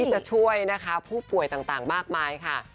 จะช่วยนะคะผู้ป่วยต่างมากมายค่ะ